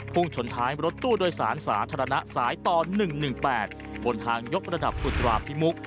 ชนท้ายรถตู้โดยสารสาธารณะสายต่อ๑๑๘บนทางยกระดับอุตราพิมุก